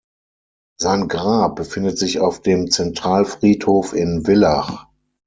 Sein Grab befindet sich auf dem Zentralfriedhof in Villach.